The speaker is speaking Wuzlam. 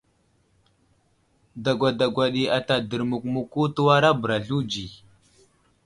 Dagwa dagwa ɗi ata dərmuk muku təwara bəra slunzi.